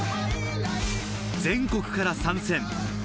全国から参戦。